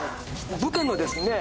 部下のですね